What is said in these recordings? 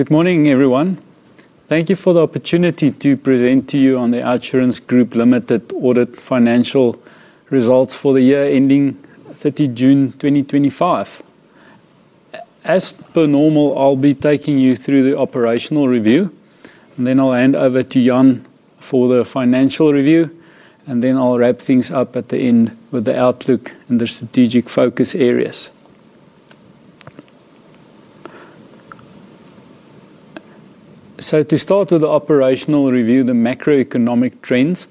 Good morning, everyone. Thank you for the opportunity to present to you on the OUTsurance Group Limited audit financial results for the year ending 30 June 2025. As per normal, I'll be taking you through the operational review, and then I'll hand over to Jan for the financial review, and then I'll wrap things up at the end with the outlook and the strategic focus areas. To start with the operational review, the macroeconomic trends,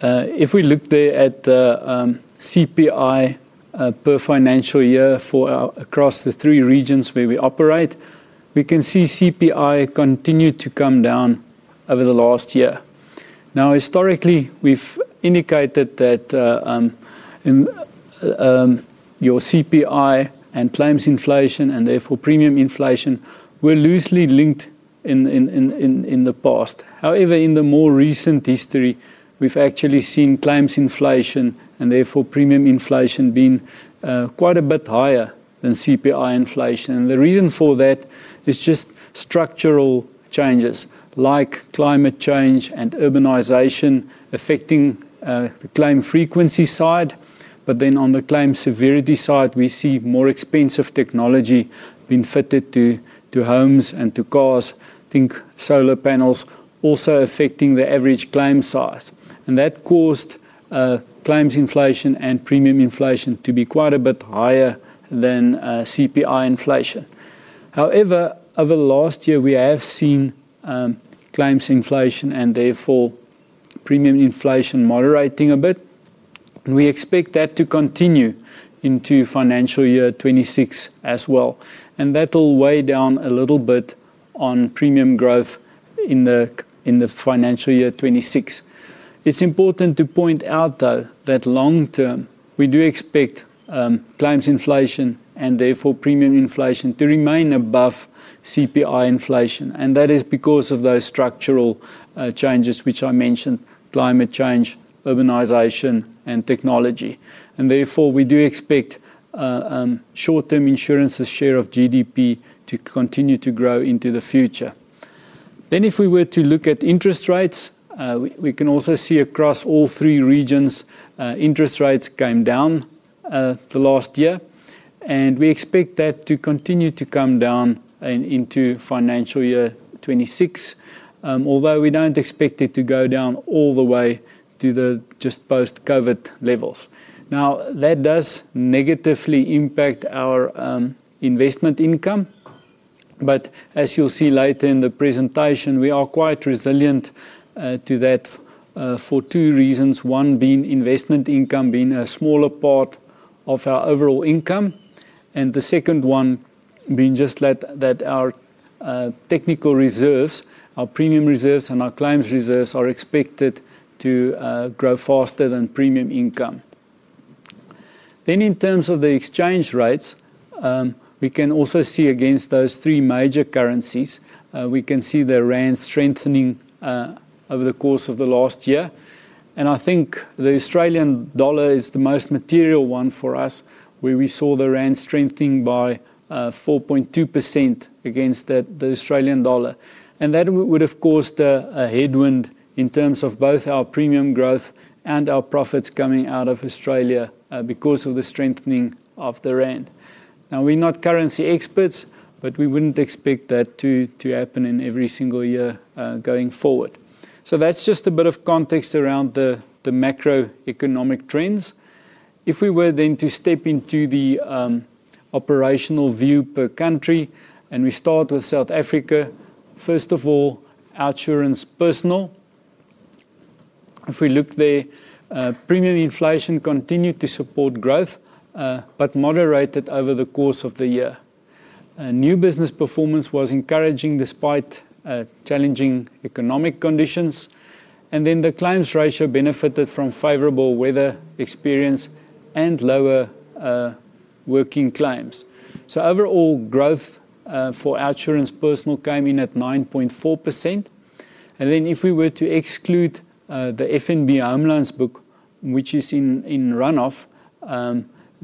if we look at the CPI per financial year across the three regions where we operate, we can see CPI continued to come down over the last year. Historically, we've indicated that your CPI and claims inflation, and therefore premium inflation, were loosely linked in the past. However, in the more recent history, we've actually seen claims inflation and therefore premium inflation being quite a bit higher than CPI inflation. The reason for that is just structural changes like climate change and urbanization affecting the claim frequency side. On the claim severity side, we see more expensive technology being fitted to homes and to cars. I think solar panels also affecting the average claim size, and that caused claims inflation and premium inflation to be quite a bit higher than CPI inflation. Over the last year, we have seen claims inflation and therefore premium inflation moderating a bit, and we expect that to continue into financial year 2026 as well. That'll weigh down a little bit on premium growth in the financial year 2026. It's important to point out, though, that long term, we do expect claims inflation and therefore premium inflation to remain above CPI inflation, and that is because of those structural changes which I mentioned: climate change, urbanization, and technology. Therefore, we do expect short-term insurance's share of GDP to continue to grow into the future. If we were to look at interest rates, we can also see across all three regions, interest rates came down the last year, and we expect that to continue to come down into financial year 2026, although we don't expect it to go down all the way to the just post-COVID levels. Now, that does negatively impact our investment income, but as you'll see later in the presentation, we are quite resilient to that for two reasons: one being investment income being a smaller part of our overall income, and the second one being just that our technical reserves, our premium reserves, and our claims reserves are expected to grow faster than premium income. In terms of the exchange rates, we can also see against those three major currencies, we can see the rand strengthening over the course of the last year. I think the Australian dollar is the most material one for us, where we saw the rand strengthening by 4.2% against the Australian dollar. That would have caused a headwind in terms of both our premium growth and our profits coming out of Australia because of the strengthening of the rand. We're not currency experts, but we wouldn't expect that to happen in every single year going forward. That's just a bit of context around the macroeconomic trends. If we were then to step into the operational view per country, and we start with South Africa. First of all, OUTsurance Personal. If we look there, premium inflation continued to support growth but moderated over the course of the year. New business performance was encouraging despite challenging economic conditions. The claims ratio benefited from favorable weather experience and lower working claims. Overall growth for OUTsurance Personal came in at 9.4%. If we were to exclude the FNB Homelines Book, which is in run-off,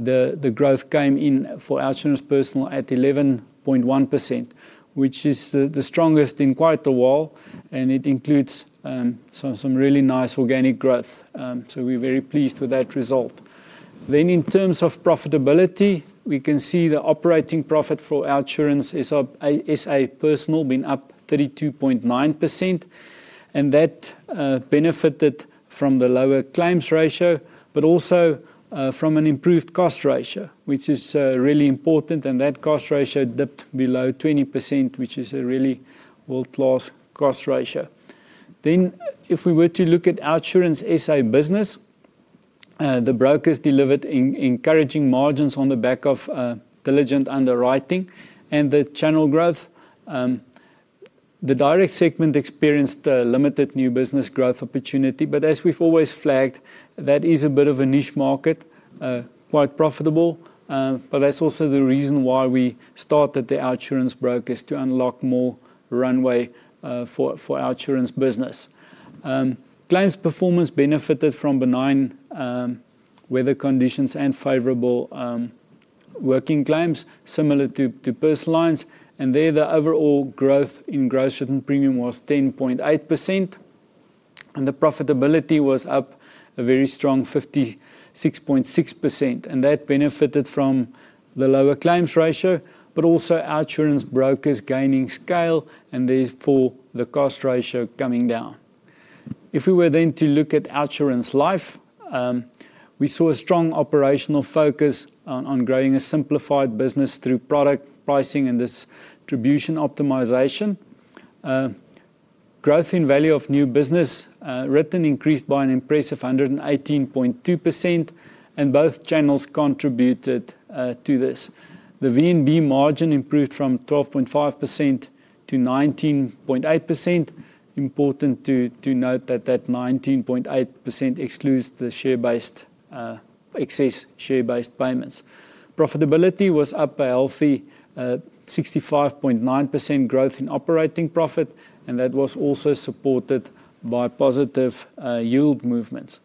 the growth came in for OUTsurance Personal at 11.1%, which is the strongest in quite a while, and it includes some really nice organic growth. We're very pleased with that result. In terms of profitability, we can see the operating profit for OUTsurance South Africa Personal being up 32.9%. That benefited from the lower claims ratio, but also from an improved cost ratio, which is really important. That cost ratio dipped below 20%, which is a really world-class cost ratio. If we were to look at OUTsurance South Africa Business, the brokers delivered encouraging margins on the back of diligent underwriting and the channel growth. The direct segment experienced limited new business growth opportunity, but as we've always flagged, that is a bit of a niche market, quite profitable. That's also the reason why we started the OUTsurance brokers, to unlock more runway for OUTsurance Business. Claims performance benefited from benign weather conditions and favorable working claims, similar to Personal Lines. The overall growth in gross written premium was 10.8%, and the profitability was up a very strong 56.6%. That benefited from the lower claims ratio, but also OUTsurance brokers gaining scale, and therefore the cost ratio coming down. If we were then to look at OUTsurance Life, we saw a strong operational focus on growing a simplified business through product pricing and distribution optimization. Growth in value of new business written increased by an impressive 118.2%, and both channels contributed to this. The VNB margin improved from 12.5% to 19.8%. It is important to note that 19.8% excludes the share-based excess share-based payments. Profitability was up a healthy 65.9% growth in operating profit, and that was also supported by positive yield movements.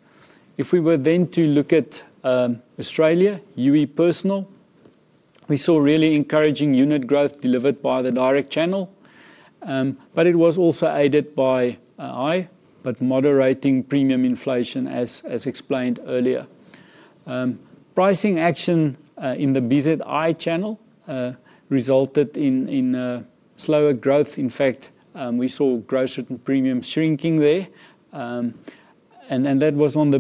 If we were then to look at Australia, Youi Personal, we saw really encouraging unit growth delivered by the direct channel, but it was also aided by moderating premium inflation, as explained earlier. Pricing action in the BZI broker channel resulted in slower growth. In fact, we saw gross written premium shrinking there, and that was on the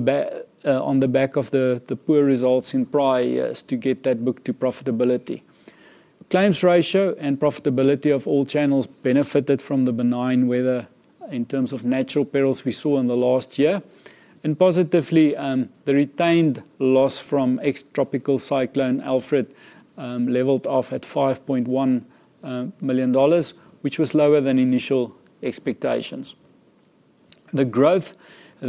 back of the poor results in prior years to get that book to profitability. Claims ratio and profitability of all channels benefited from the benign weather in terms of natural perils we saw in the last year. Positively, the retained loss from ex-tropical cyclone Alfred leveled off at $5.1 million, which was lower than initial expectations. The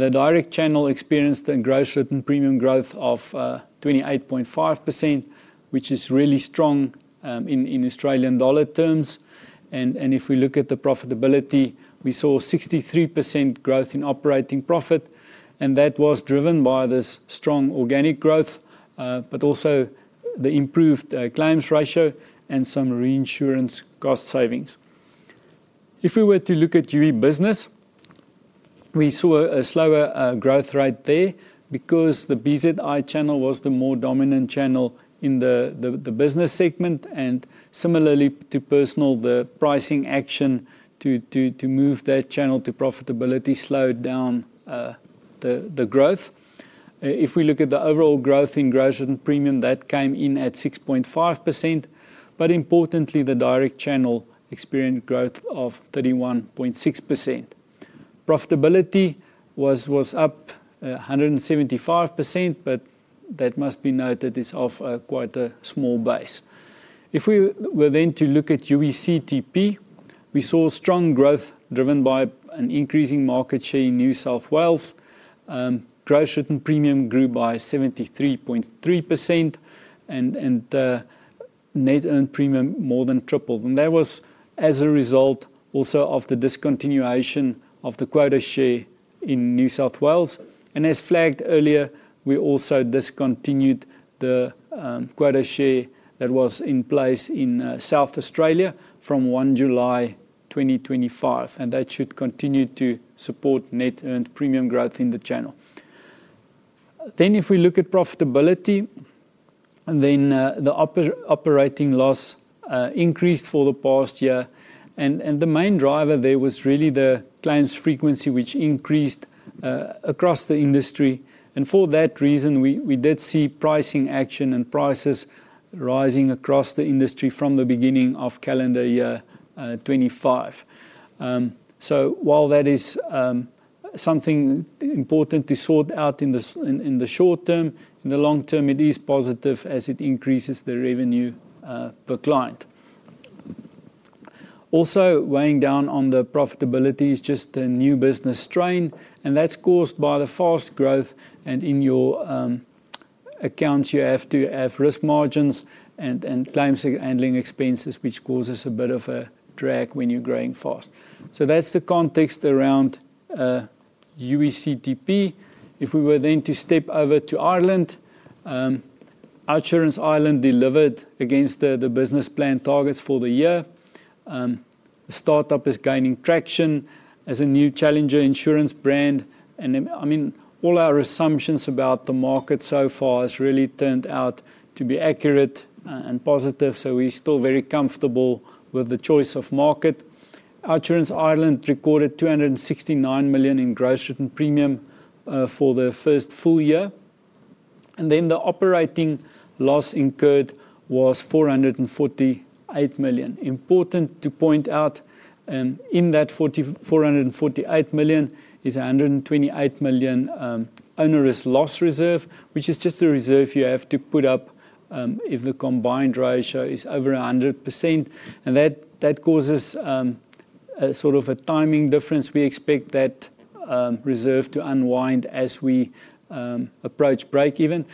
direct channel experienced a gross written premium growth of 28.5%, which is really strong in Australian dollar terms. If we look at the profitability, we saw 63% growth in operating profit, and that was driven by this strong organic growth, but also the improved claims ratio and some reinsurance cost savings. If we were to look at Youi Business, we saw a slower growth rate there because the BZI broker channel was the more dominant channel in the business segment. Similarly to Personal, the pricing action to move that channel to profitability slowed down the growth. The overall growth in gross written premium came in at 6.5%. Importantly, the direct channel experienced growth of 31.6%. Profitability was up 175%, but that must be noted is off quite a small base. If we were then to look at UE CTP, we saw strong growth driven by an increasing market share in New South Wales. Gross written premium grew by 73.3%, and net earned premium more than tripled. That was as a result also of the discontinuation of the quota share in New South Wales. As flagged earlier, we also discontinued the quota share that was in place in South Australia from July 1, 2025. That should continue to support net earned premium growth in the channel. If we look at profitability, the operating loss increased for the past year. The main driver there was really the claims frequency, which increased across the industry. For that reason, we did see pricing action and prices rising across the industry from the beginning of calendar year 2025. While that is something important to sort out in the short term, in the long term, it is positive as it increases the revenue per client. Also weighing down on the profitability is just the new business strain, and that's caused by the fast growth. In your accounts, you have to have risk margins and claims handling expenses, which causes a bit of a drag when you're growing fast. That's the context around UE CTP. If we were then to step over to Ireland, OUTsurance Ireland delivered against the business plan targets for the year. The startup is gaining traction as a new challenger insurance brand. All our assumptions about the market so far have really turned out to be accurate and positive. We're still very comfortable with the choice of market. OUTsurance Ireland recorded $269 million in gross written premium for the first full year. The operating loss incurred was $448 million. Important to point out, in that $448 million is a $128 million onerous loss reserve, which is just a reserve you have to put up if the combined ratio is over 100%. That causes a sort of a timing difference. We expect that reserve to unwind as we approach break even.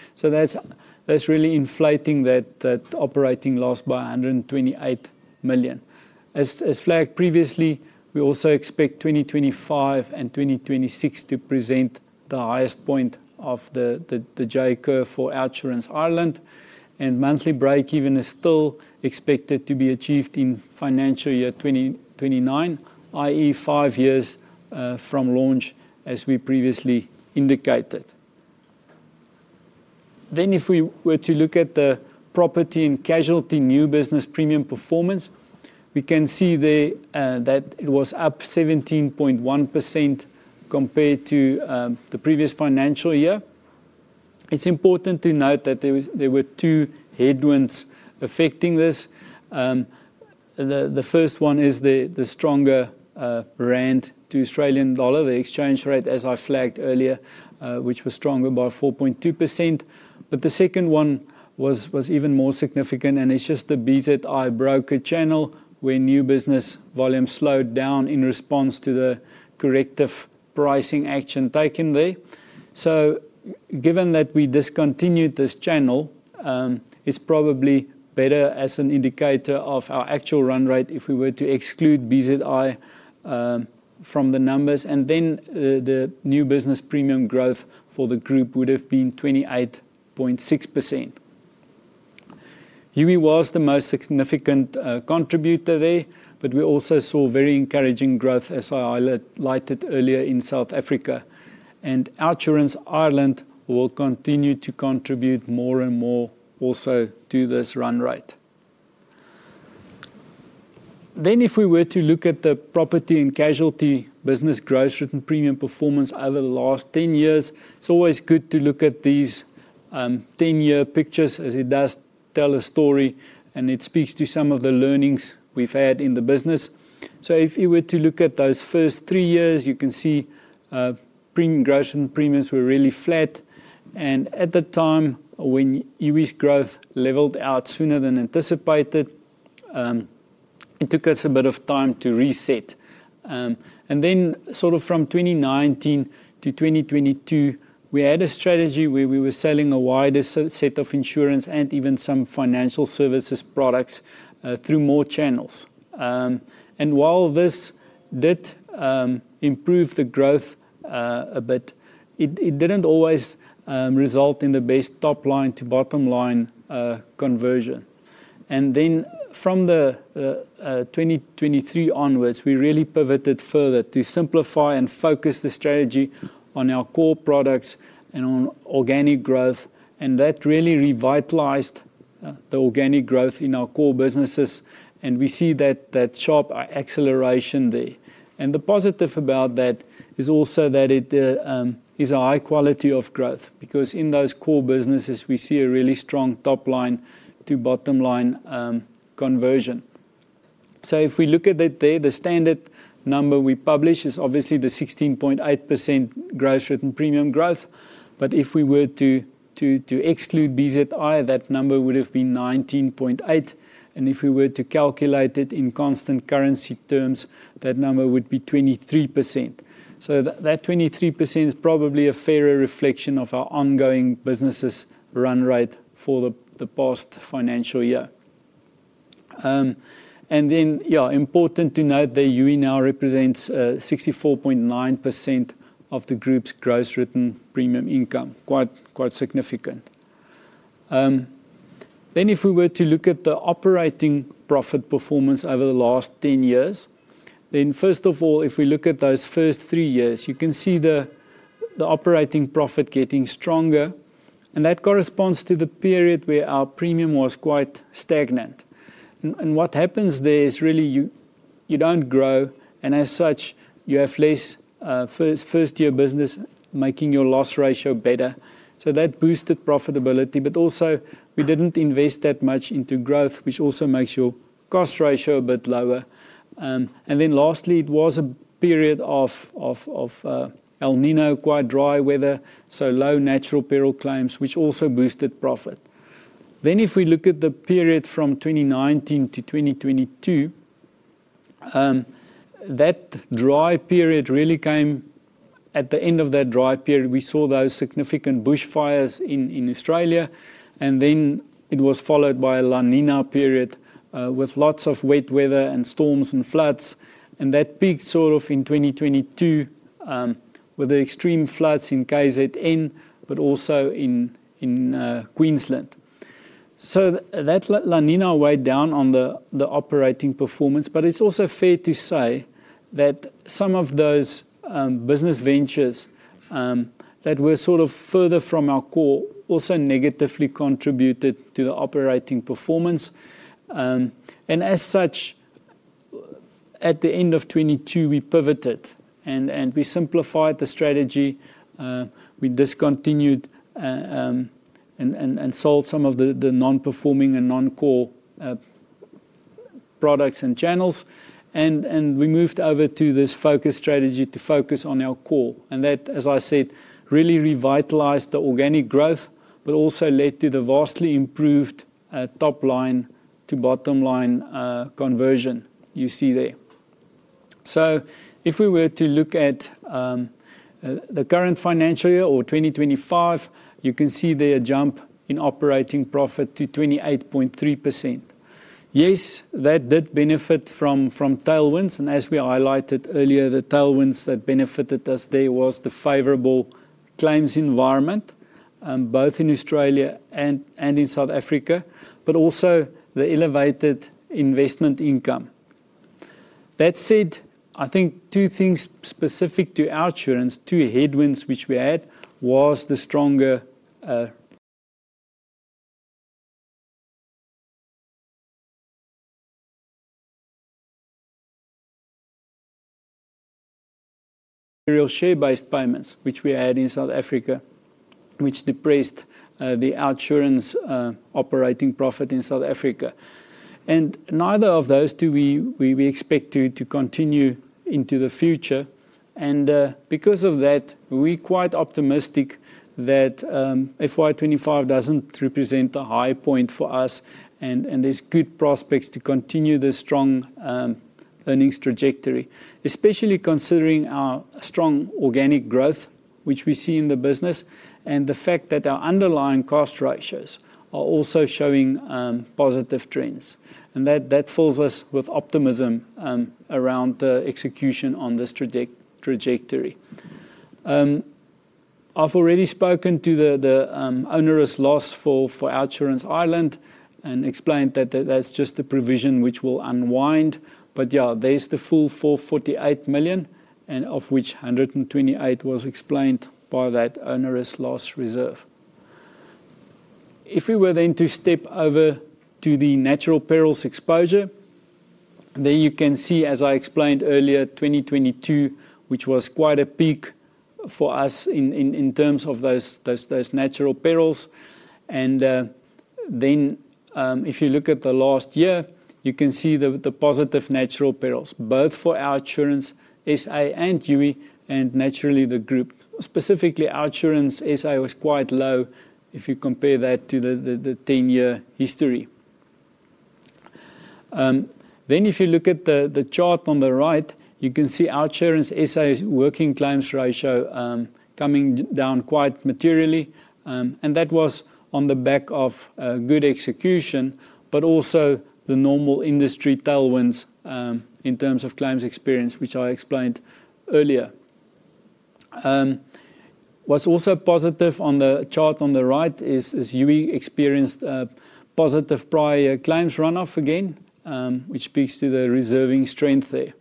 That's really inflating that operating loss by $128 million. As flagged previously, we also expect 2025 and 2026 to present the highest point of the J curve for OUTsurance Ireland. Monthly break even is still expected to be achieved in financial year 2029, i.e., five years from launch, as we previously indicated. If we were to look at the property and casualty new business premium performance, we can see there that it was up 17.1% compared to the previous financial year. It's important to note that there were two headwinds affecting this. The first one is the stronger rand to Australian dollar, the exchange rate, as I flagged earlier, which was stronger by 4.2%. The second one was even more significant, and it's just the BZI broker channel where new business volume slowed down in response to the corrective pricing action taken there. Given that we discontinued this channel, it's probably better as an indicator of our actual run rate if we were to exclude BZI from the numbers. The new business premium growth for the group would have been 28.6%. Youi was the most significant contributor there, but we also saw very encouraging growth, as I highlighted earlier, in South Africa. OUTsurance Ireland will continue to contribute more and more also to this run rate. If we were to look at the property and casualty insurance gross written premium performance over the last 10 years, it's always good to look at these 10-year pictures as it does tell a story, and it speaks to some of the learnings we've had in the business. If you were to look at those first three years, you can see gross written premiums were really flat. At the time when Youi's growth levelled out sooner than anticipated, it took us a bit of time to reset. From 2019 to 2022, we had a strategy where we were selling a wider set of insurance and even some financial services products through more channels. While this did improve the growth a bit, it didn't always result in the best top line to bottom line conversion. From 2023 onwards, we really pivoted further to simplify and focus the strategy on our core products and on organic growth. That really revitalized the organic growth in our core businesses, and we see that sharp acceleration there. The positive about that is also that it is a high quality of growth because in those core businesses, we see a really strong top line to bottom line conversion. If we look at it there, the standard number we publish is obviously the 16.8% gross written premium growth. If we were to exclude BZI, that number would have been 19.8%. If we were to calculate it in constant currency terms, that number would be 23%. That 23% is probably a fairer reflection of our ongoing businesses' run rate for the past financial year. Important to note that Youi now represents 64.9% of the group's gross written premium income, quite significant. If we were to look at the operating profit performance over the last 10 years, first of all, if we look at those first three years, you can see the operating profit getting stronger. That corresponds to the period where our premium was quite stagnant. What happens there is really you don't grow, and as such, you have less first-year business making your loss ratio better. That boosted profitability, but also we didn't invest that much into growth, which also makes your cost ratio a bit lower. Lastly, it was a period of El Niño, quite dry weather, so low natural peril claims, which also boosted profit. If we look at the period from 2019 to 2022, that dry period really came at the end of that dry period. We saw those significant bushfires in Australia, and it was followed by a La Niña period with lots of wet weather and storms and floods. That peaked in 2022 with the extreme floods in KZN, but also in Queensland. That La Niña weighed down on the operating performance, but it's also fair to say that some of those business ventures that were further from our core also negatively contributed to the operating performance. As such, at the end of 2022, we pivoted and we simplified the strategy. We discontinued and sold some of the non-performing and non-core products and channels, and we moved over to this focus strategy to focus on our core. That, as I said, really revitalized the organic growth, but also led to the vastly improved top line to bottom line conversion you see there. If we were to look at the current financial year or 2025, you can see a jump in operating profit to 28.3%. Yes, that did benefit from tailwinds, and as we highlighted earlier, the tailwinds that benefited us there were the favorable claims environment, both in Australia and in South Africa, but also the elevated investment income. That said, I think two things specific to OUTsurance, two headwinds which we had, were the stronger real share-based payments, which we had in South Africa, which depressed the OUTsurance operating profit in South Africa. Neither of those do we expect to continue into the future. Because of that, we're quite optimistic that FY25 doesn't represent a high point for us, and there's good prospects to continue the strong earnings trajectory, especially considering our strong organic growth, which we see in the business, and the fact that our underlying cost ratios are also showing positive trends. That fills us with optimism around the execution on this trajectory. I've already spoken to the onerous loss for OUTsurance Ireland and explained that that's just a provision which will unwind. There's the full $448 million, of which $128 million was explained by that onerous loss reserve. If we were to step over to the natural perils exposure, you can see, as I explained earlier, 2022, which was quite a peak for us in terms of those natural perils. If you look at the last year, you can see the positive natural perils, both for OUTsurance South Africa and Youi, and naturally the group. Specifically, OUTsurance South Africa was quite low if you compare that to the 10-year history. If you look at the chart on the right, you can see OUTsurance South Africa's working claims ratio coming down quite materially. That was on the back of good execution, but also the normal industry tailwinds in terms of claims experience, which I explained earlier. What's also positive on the chart on the right is Youi experienced a positive prior year claims run-off again, which speaks to the reserving strength there.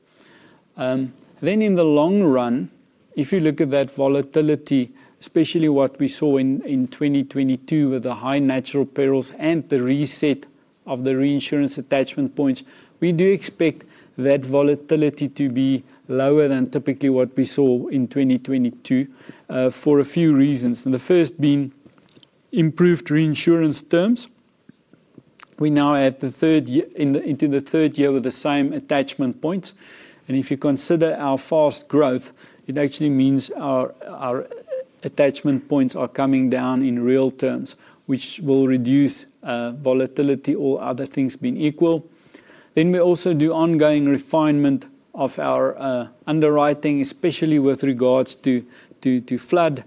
In the long run, if you look at that volatility, especially what we saw in 2022 with the high natural perils and the reset of the reinsurance attachment points, we do expect that volatility to be lower than typically what we saw in 2022 for a few reasons. The first being improved reinsurance terms. We now add the third year into the third year with the same attachment points. If you consider our fast growth, it actually means our attachment points are coming down in real terms, which will reduce volatility, all other things being equal. We also do ongoing refinement of our underwriting, especially with regards to flood.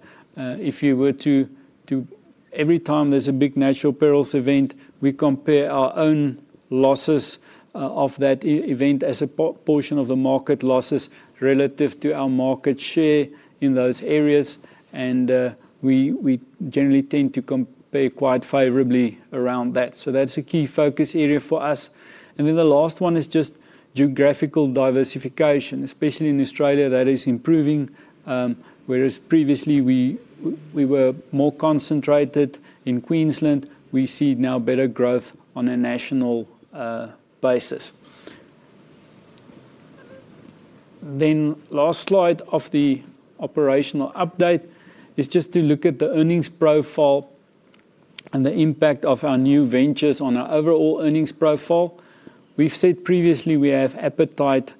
Every time there's a big natural perils event, we compare our own losses of that event as a portion of the market losses relative to our market share in those areas. We generally tend to compare quite favorably around that. That's a key focus area for us. The last one is just geographical diversification, especially in Australia. That is improving, whereas previously we were more concentrated in Queensland. We see now better growth on a national basis. The last slide of the operational update is just to look at the earnings profile and the impact of our new ventures on our overall earnings profile. We've said previously we have appetite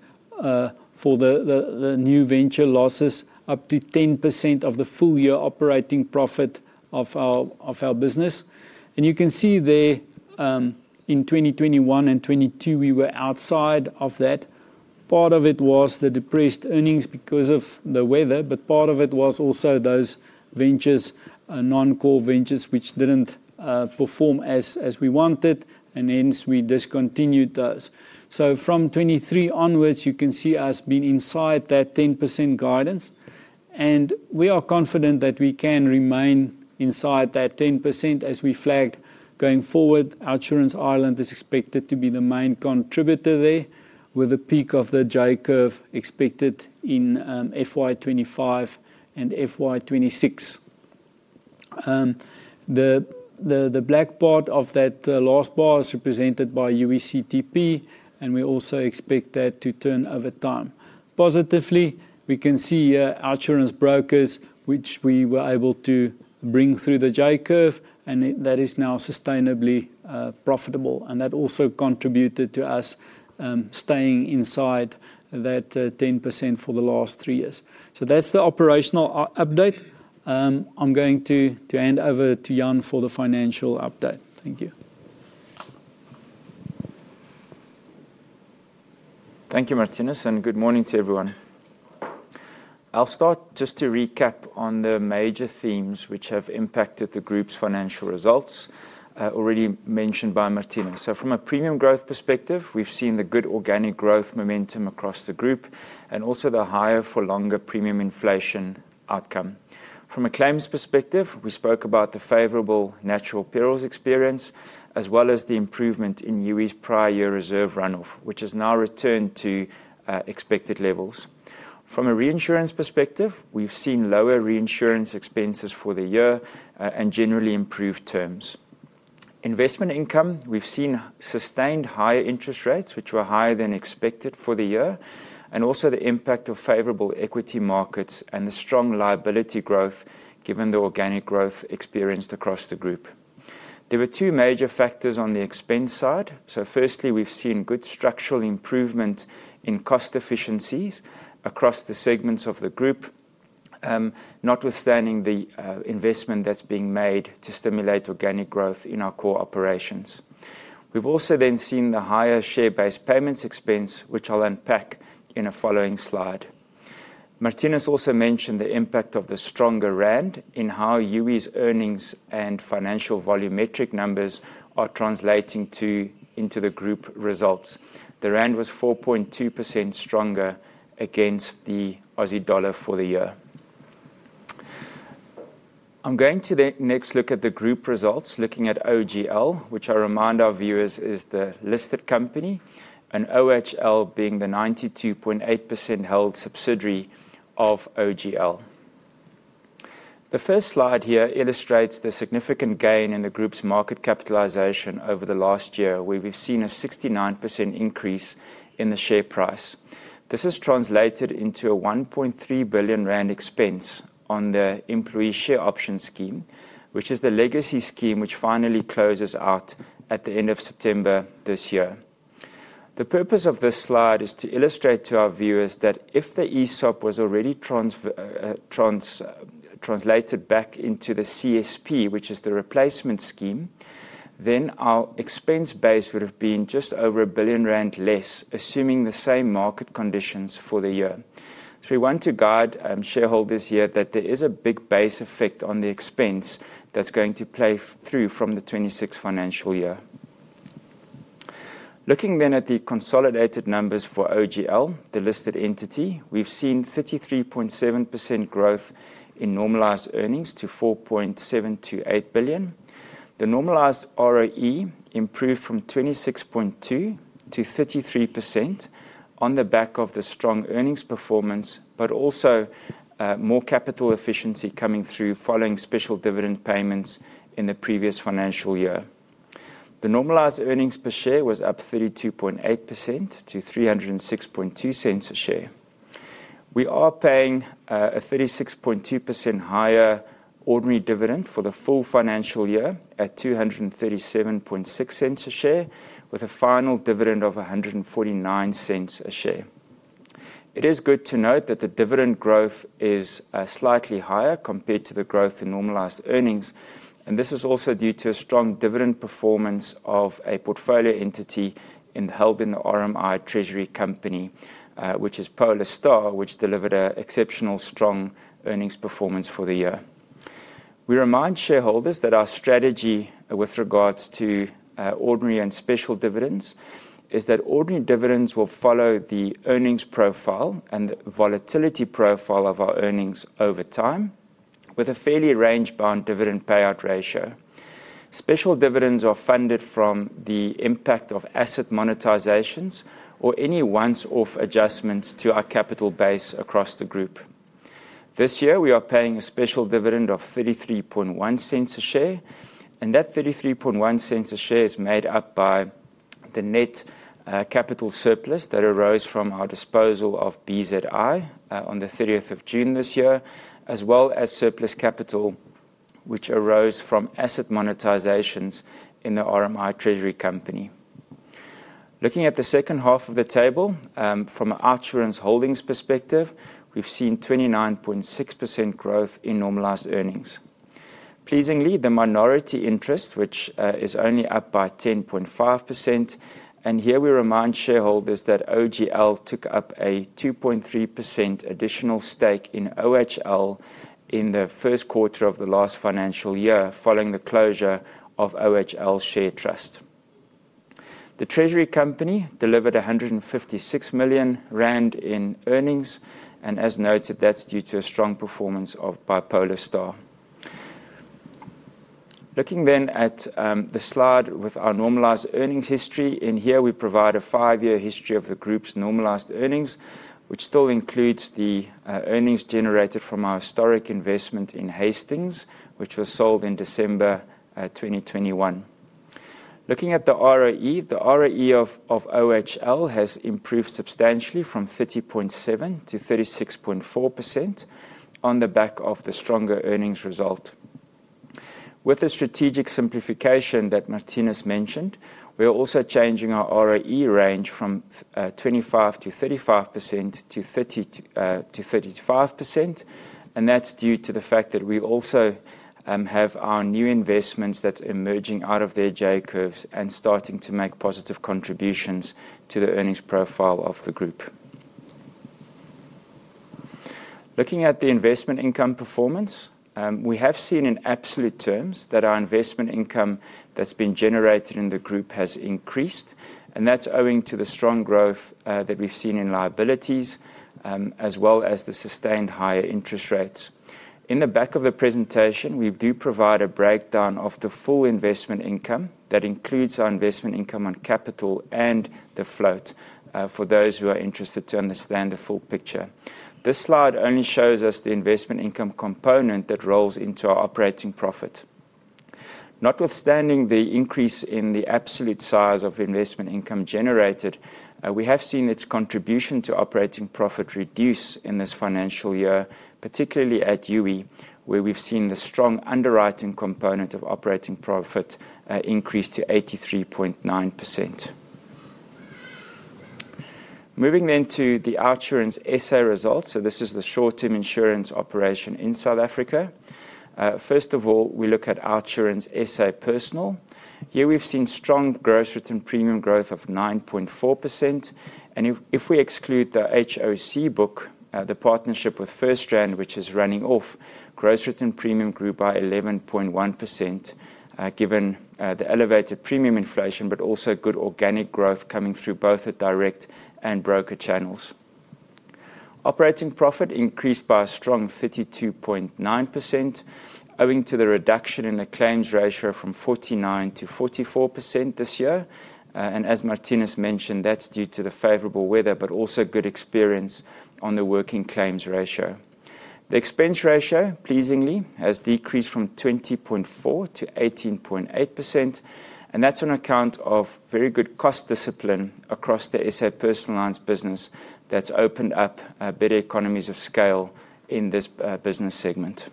for the new venture losses up to 10% of the full year operating profit of our business. You can see there in 2021 and 2022, we were outside of that. Part of it was the depressed earnings because of the weather, but part of it was also those ventures, non-core ventures, which didn't perform as we wanted, and hence we discontinued those. From 2023 onwards, you can see us being inside that 10% guidance. We are confident that we can remain inside that 10% as we flagged. Going forward, OUTsurance Ireland is expected to be the main contributor there, with a peak of the J curve expected in FY2025 and FY2026. The black part of that last bar is represented by UE CTP, and we also expect that to turn over time. Positively, we can see here OUTsurance brokers, which we were able to bring through the J curve, and that is now sustainably profitable. That also contributed to us staying inside that 10% for the last three years. That is the operational update. I'm going to hand over to Jan for the financial update. Thank you. Thank you, Marthinus, and good morning to everyone. I'll start just to recap on the major themes which have impacted the group's financial results, already mentioned by Marthinus. From a premium growth perspective, we've seen the good organic growth momentum across the group and also the higher for longer premium inflation outcome. From a claims perspective, we spoke about the favorable natural perils experience, as well as the improvement in Youi's prior year reserve run-off, which has now returned to expected levels. From a reinsurance perspective, we've seen lower reinsurance expenses for the year and generally improved terms. Investment income, we've seen sustained higher interest rates, which were higher than expected for the year, and also the impact of favorable equity markets and the strong liability growth, given the organic growth experienced across the group. There were two major factors on the expense side. Firstly, we've seen good structural improvement in cost efficiencies across the segments of the group, notwithstanding the investment that's being made to stimulate organic growth in our core operations. We've also then seen the higher share-based payments expense, which I'll unpack in a following slide. Marthinus also mentioned the impact of the stronger rand in how Youi's earnings and financial volumetric numbers are translating into the group results. The rand was 4.2% stronger against the Aussie dollar for the year. I'm going to next look at the group results, looking at OUTsurance Group Limited, which I remind our viewers is the listed company, and OUTsurance Holdings being the 92.8% held subsidiary of OUTsurance Group Limited. The first slide here illustrates the significant gain in the group's market capitalisation over the last year, where we've seen a 69% increase in the share price. This has translated into a R1.3 billion expense on the employee share option scheme, which is the legacy scheme which finally closes out at the end of September this year. The purpose of this slide is to illustrate to our viewers that if the ESOP was already translated back into the CSP, which is the replacement scheme, then our expense base would have been just over R1 billion less, assuming the same market conditions for the year. We want to guide shareholders here that there is a big base effect on the expense that's going to play through from the 2026 financial year. Looking then at the consolidated numbers for OUTsurance Group Limited, the listed entity, we've seen 33.7% growth in normalised earnings to R4.728 billion. The normalised ROE improved from 26.2% to 33% on the back of the strong earnings performance, but also more capital efficiency coming through following special dividend payments in the previous financial year. The normalised earnings per share was up 32.8% to R3.062 a share. We are paying a 36.2% higher ordinary dividend for the full financial year at R2.376 a share, with a final dividend of R1.49 a share. It is good to note that the dividend growth is slightly higher compared to the growth in normalised earnings, and this is also due to a strong dividend performance of a portfolio entity held in the RMI Treasury Company, which is Polar Star, which delivered an exceptionally strong earnings performance for the year. We remind shareholders that our strategy with regards to ordinary and special dividends is that ordinary dividends will follow the earnings profile and the volatility profile of our earnings over time, with a fairly range-bound dividend payout ratio. Special dividends are funded from the impact of asset monetisations or any once-off adjustments to our capital base across the group. This year, we are paying a special dividend of R0.331 a share, and that R0.331 a share is made up by the net capital surplus that arose from our disposal of BZI on the 30th of June this year, as well as surplus capital which arose from asset monetisations in the RMI Treasury Company. Looking at the second half of the table, from an OUTsurance Holdings perspective, we've seen 29.6% growth in normalised earnings. Pleasingly, the minority interest, which is only up by 10.5%, and here we remind shareholders that OUTsurance Group Limited took up a 2.3% additional stake in OUTsurance Holdings in the first quarter of the last financial year following the closure of OUTsurance Holdings' share trust. The Treasury Company delivered R156 million in earnings, and as noted, that's due to a strong performance by Polar Star. Looking then at the slide with our normalised earnings history, in here we provide a five-year history of the group's normalised earnings, which still includes the earnings generated from our historic investment in Hastings, which was sold in December 2021. Looking at the ROE, the ROE of OUTsurance Holdings has improved substantially from 30.7% to 36.4% on the back of the stronger earnings result. With the strategic simplification that Marthinus mentioned, we are also changing our ROE range from 25% to 35% to 30% to 35%, and that's due to the fact that we also have our new investments that's emerging out of their J curves and starting to make positive contributions to the earnings profile of the group. Looking at the investment income performance, we have seen in absolute terms that our investment income that's been generated in the group has increased, and that's owing to the strong growth that we've seen in liabilities, as well as the sustained higher interest rates. In the back of the presentation, we do provide a breakdown of the full investment income that includes our investment income on capital and the float for those who are interested to understand the full picture. This slide only shows us the investment income component that rolls into our operating profit. Notwithstanding the increase in the absolute size of investment income generated, we have seen its contribution to operating profit reduce in this financial year, particularly at Youi, where we've seen the strong underwriting component of operating profit increase to 83.9%. Moving then to the OUTsurance South Africa results, this is the short-term insurance operation in South Africa. First of all, we look at OUTsurance South Africa Personal. Here we've seen strong gross written premium growth of 9.4%, and if we exclude the HOC book, the partnership with FirstRand, which is running off, gross written premium grew by 11.1%, given the elevated premium inflation, but also good organic growth coming through both the direct and broker channels. Operating profit increased by a strong 32.9%, owing to the reduction in the claims ratio from 49% to 44% this year. As Marthinus mentioned, that's due to the favorable weather, but also good experience on the working claims ratio. The expense ratio, pleasingly, has decreased from 20.4% to 18.8%, and that's on account of very good cost discipline across the South Africa Personal Lines business that's opened up better economies of scale in this business segment.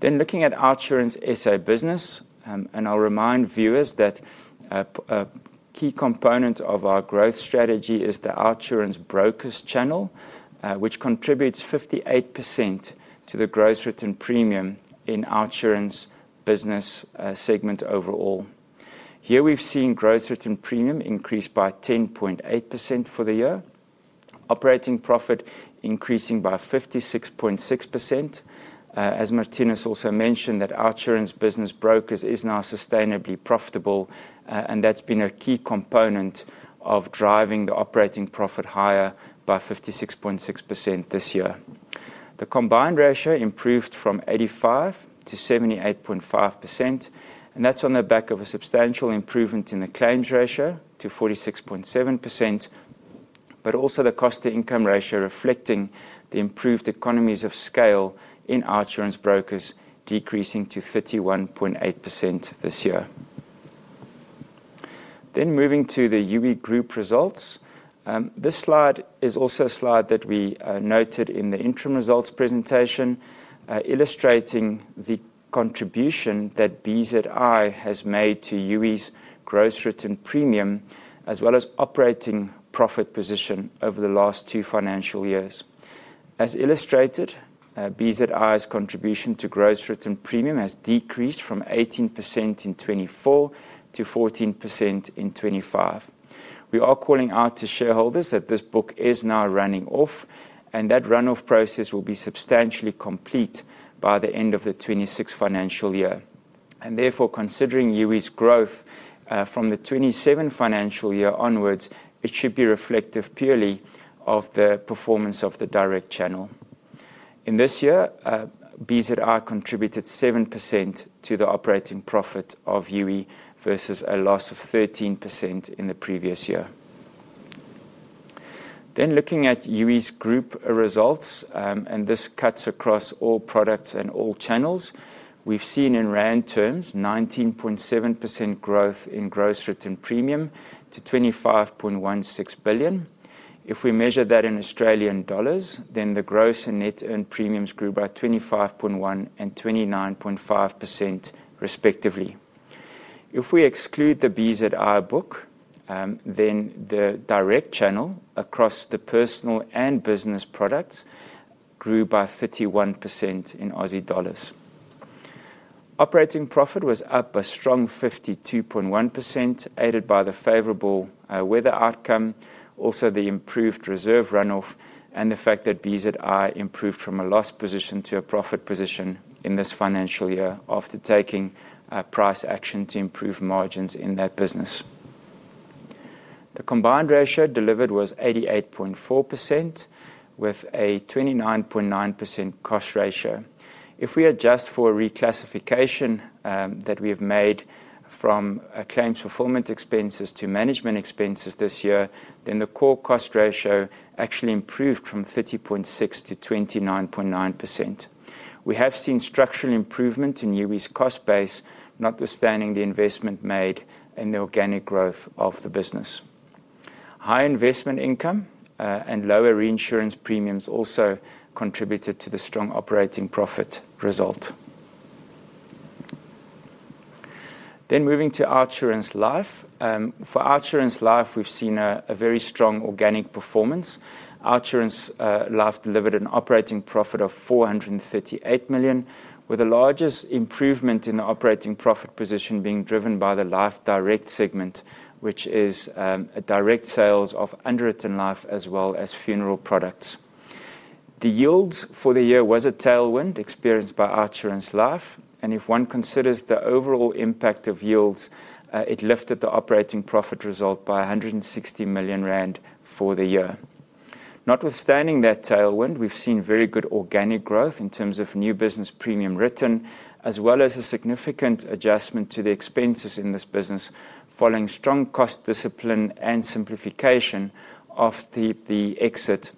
Looking at OUTsurance South Africa business, a key component of our growth strategy is the OUTsurance Brokers channel, which contributes 58% to the gross written premium in OUTsurance business segment overall. Here we've seen gross written premium increase by 10.8% for the year, operating profit increasing by 56.6%. As Marthinus also mentioned, OUTsurance Business Brokers is now sustainably profitable, and that's been a key component of driving the operating profit higher by 56.6% this year. The combined ratio improved from 85% to 78.5%, and that's on the back of a substantial improvement in the claims ratio to 46.7%, but also the cost-to-income ratio reflecting the improved economies of scale in OUTsurance Brokers, decreasing to 31.8% this year. Moving to the UE group results, this slide is also a slide that we noted in the interim results presentation, illustrating the contribution that BZI has made to UE's gross written premium, as well as operating profit position over the last two financial years. As illustrated, BZI's contribution to gross written premium has decreased from 18% in 2024 to 14% in 2025. We are calling out to shareholders that this book is now running off, and that run-off process will be substantially complete by the end of the 2026 financial year. Therefore, considering UE's growth from the 2027 financial year onwards, it should be reflective purely of the performance of the direct channel. In this year, BZI contributed 7% to the operating profit of UE versus a loss of 13% in the previous year. Looking at UE's group results, and this cuts across all products and all channels, we've seen in rand terms 19.7% growth in gross written premium to R25.16 billion. If we measure that in Australian dollars, then the gross and net earned premiums grew by 25.1% and 29.5% respectively. If we exclude the BZI book, then the direct channel across the personal and business products grew by 31% in Australian dollars. Operating profit was up a strong 52.1%, aided by the favorable weather outcome, also the improved reserve run-off, and the fact that BZI improved from a loss position to a profit position in this financial year after taking price action to improve margins in that business. The combined ratio delivered was 88.4%, with a 29.9% cost ratio. If we adjust for a reclassification that we have made from claims fulfillment expenses to management expenses this year, then the core cost ratio actually improved from 30.6% to 29.9%. We have seen structural improvement in UE's cost base, notwithstanding the investment made in the organic growth of the business. High investment income and lower reinsurance premiums also contributed to the strong operating profit result. Moving to OUTsurance Life. For OUTsurance Life, we've seen a very strong organic performance. OUTsurance Life delivered an operating profit of R438 million, with the largest improvement in the operating profit position being driven by the Life Direct segment, which is direct sales of underwritten life as well as funeral products. The yields for the year were a tailwind experienced by OUTsurance Life, and if one considers the overall impact of yields, it lifted the operating profit result by R160 million for the year. Notwithstanding that tailwind, we've seen very good organic growth in terms of new business premium written, as well as a significant adjustment to the expenses in this business following strong cost discipline and simplification of the exit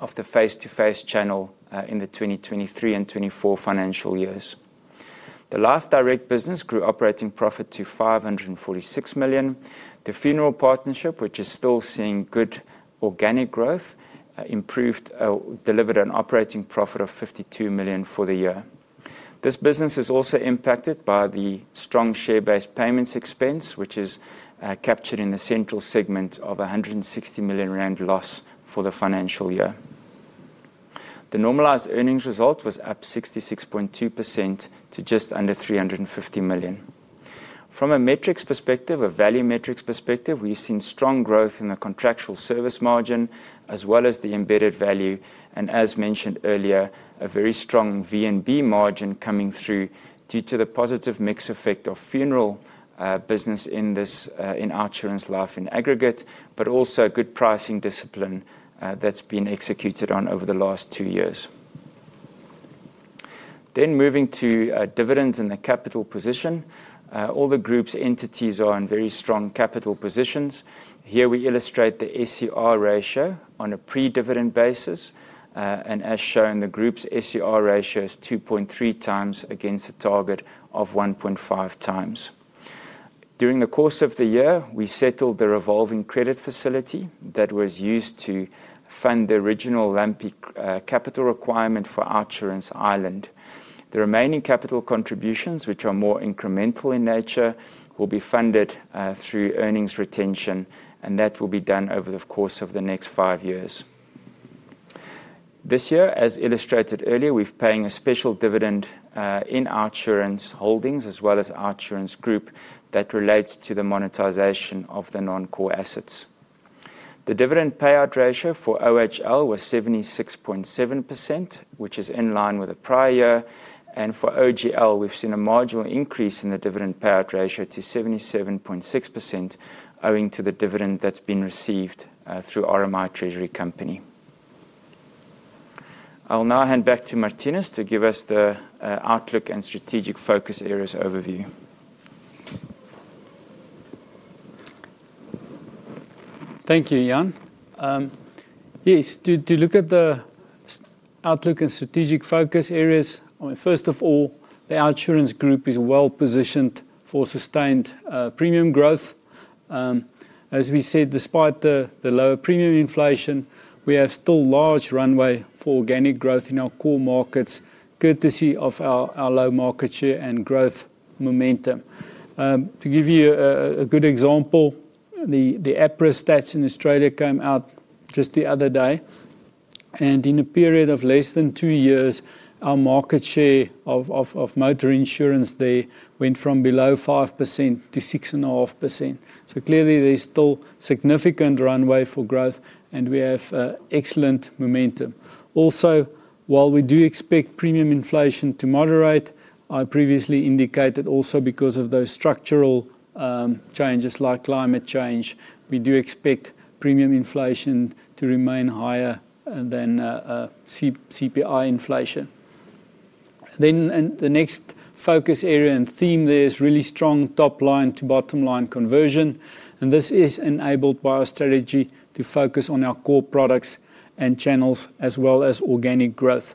of the face-to-face channel in the 2023 and 2024 financial years. The Life Direct business grew operating profit to R546 million. The funeral partnership, which is still seeing good organic growth, delivered an operating profit of R52 million for the year. This business is also impacted by the strong share-based payments expense, which is captured in the central segment of R160 million loss for the financial year. The normalised earnings result was up 66.2% to just under R350 million. From a metrics perspective, a value metrics perspective, we've seen strong growth in the contractual service margin, as well as the embedded value, and as mentioned earlier, a very strong VNB margin coming through due to the positive mix effect of funeral business in OUTsurance Life in aggregate, but also a good pricing discipline that's been executed on over the last two years. Moving to dividends in the capital position, all the group's entities are in very strong capital positions. Here we illustrate the SCR ratio on a pre-dividend basis, and as shown, the group's SCR ratio is 2.3 times against a target of 1.5 times. During the course of the year, we settled the revolving credit facility that was used to fund the original LAMPE capital requirement for OUTsurance Ireland. The remaining capital contributions, which are more incremental in nature, will be funded through earnings retention, and that will be done over the course of the next five years. This year, as illustrated earlier, we're paying a special dividend in OUTsurance Holdings, as well as OUTsurance Group Limited that relates to the monetisation of the non-core assets. The dividend payout ratio for OUTsurance Holdings was 76.7%, which is in line with the prior year, and for OUTsurance Group Limited, we've seen a marginal increase in the dividend payout ratio to 77.6%, owing to the dividend that's been received through RMI Treasury Company. I'll now hand back to Marthinus to give us the outlook and strategic focus areas overview. Thank you, Jan. Yes, to look at the outlook and strategic focus areas, first of all, the OUTsurance Group is well positioned for sustained premium growth. As we said, despite the lower premium inflation, we have still large runway for organic growth in our core markets, courtesy of our low market share and growth momentum. To give you a good example, the APRA stats in Australia came out just the other day, and in a period of less than two years, our market share of motor insurance there went from below 5% to 6.5%. Clearly, there's still significant runway for growth, and we have excellent momentum. Also, while we do expect premium inflation to moderate, I previously indicated also because of those structural changes like climate change, we do expect premium inflation to remain higher than CPI inflation. The next focus area and theme there is really strong top line to bottom line conversion, and this is enabled by our strategy to focus on our core products and channels, as well as organic growth.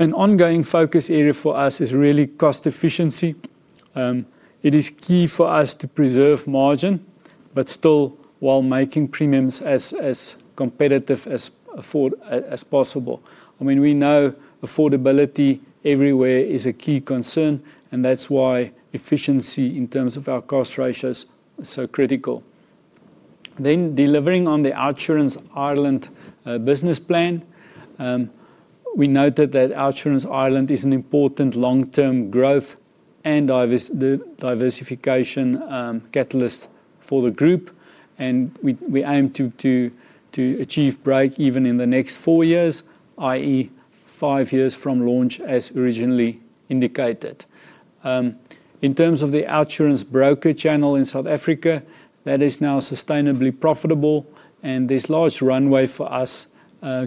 An ongoing focus area for us is really cost efficiency. It is key for us to preserve margin, but still while making premiums as competitive as possible. We know affordability everywhere is a key concern, and that's why efficiency in terms of our cost ratios is so critical. Delivering on the OUTsurance Ireland business plan, we noted that OUTsurance Ireland is an important long-term growth and diversification catalyst for the group, and we aim to achieve break even in the next four years, i.e., five years from launch as originally indicated. In terms of the OUTsurance broker channel in South Africa, that is now sustainably profitable, and there's large runway for us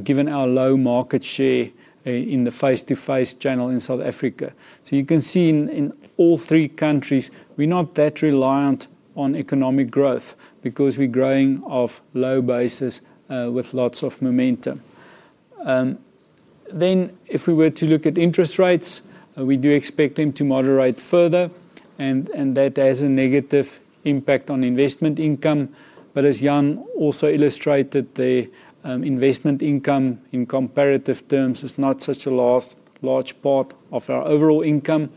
given our low market share in the face-to-face channel in South Africa. You can see in all three countries, we're not that reliant on economic growth because we're growing off low basis with lots of momentum. If we were to look at interest rates, we do expect them to moderate further, and that has a negative impact on investment income. As Jan also illustrated, the investment income in comparative terms is not such a large part of our overall income,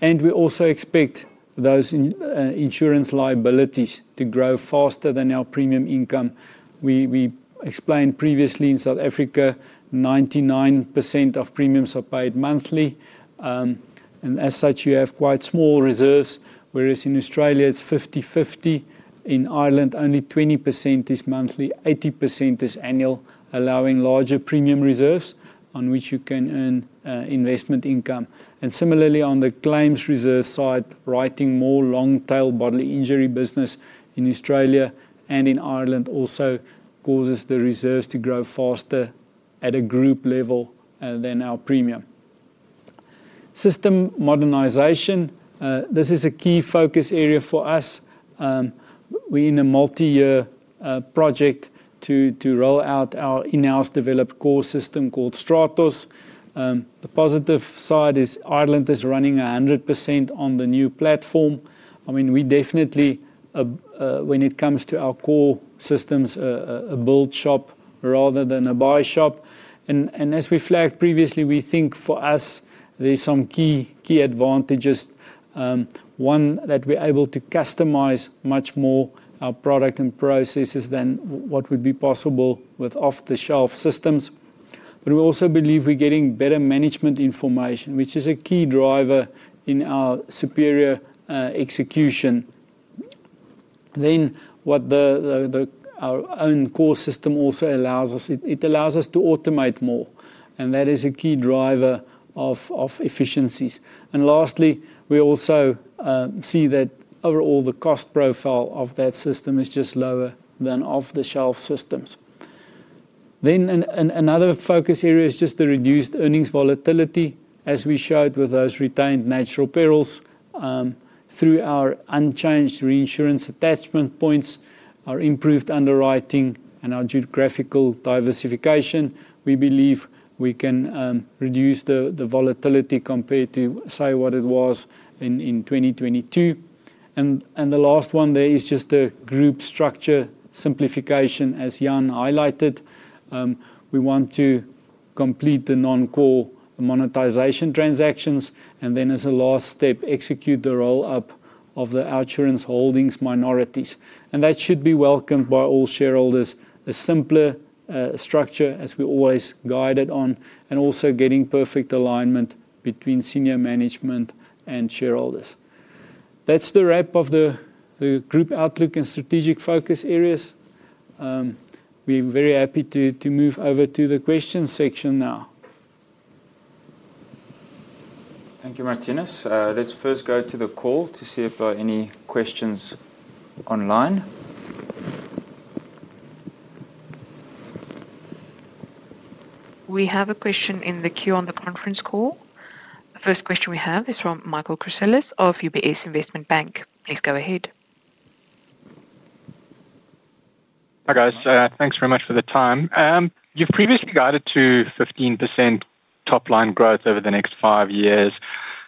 and we also expect those insurance liabilities to grow faster than our premium income. We explained previously in South Africa, 99% of premiums are paid monthly, and as such, you have quite small reserves, whereas in Australia it's 50/50. In Ireland, only 20% is monthly, 80% is annual, allowing larger premium reserves on which you can earn investment income. Similarly, on the claims reserve side, writing more long-tail bodily injury business in Australia and in Ireland also causes the reserves to grow faster at a group level than our premium. System modernisation is a key focus area for us. We're in a multi-year project to roll out our in-house developed core system called Stratos. The positive side is Ireland is running 100% on the new platform. When it comes to our core systems, we are definitely a build shop rather than a buy shop. As we flagged previously, we think for us there's some key advantages. One is that we're able to customize much more our product and processes than what would be possible with off-the-shelf systems. We also believe we're getting better management information, which is a key driver in our superior execution. What our own core system also allows us is to automate more, and that is a key driver of efficiencies. Lastly, we also see that overall the cost profile of that system is just lower than off-the-shelf systems. Another focus area is the reduced earnings volatility, as we showed with those retained natural perils. Through our unchanged reinsurance attachment points, our improved underwriting, and our geographical diversification, we believe we can reduce the volatility compared to what it was in 2022. The last one there is the group structure simplification, as Jan highlighted. We want to complete the non-core monetisation transactions, and as a last step, execute the roll-up of the OUTsurance Holdings minorities. That should be welcomed by all shareholders, a simpler structure as we always guided on, and also getting perfect alignment between senior management and shareholders. That's the wrap of the group outlook and strategic focus areas. We're very happy to move over to the question section now. Thank you, Marthinus. Let's first go to the call to see if there are any questions online. We have a question in the queue on the conference call. The first question we have is from Michael Crusellis of UBS Investment Bank. Please go ahead. Hi guys, thanks very much for the time. You've previously guided to 15% top line growth over the next five years.